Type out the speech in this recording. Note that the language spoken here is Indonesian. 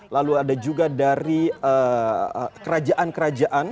lalu ada juga dari kerajaan kerajaan